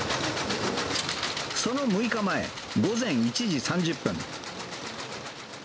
その６日前、午前１時３０分。